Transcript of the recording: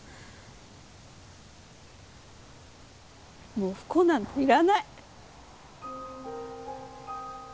もう不幸なんていらない。